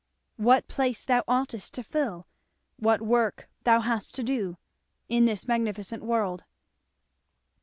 What place thou oughtest to fill, what work thou hast to do, in this magnificent world.